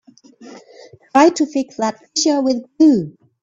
Try to fix that fissure with glue.